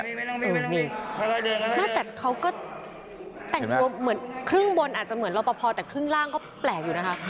นี่ไม่แต่เขาก็แต่งตัวเหมือนครึ่งบนอาจจะเหมือนรอปภแต่ครึ่งล่างก็แปลกอยู่นะคะ